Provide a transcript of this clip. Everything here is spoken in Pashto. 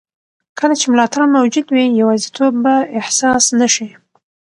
کله چې ملاتړ موجود وي، یوازیتوب به احساس نه شي.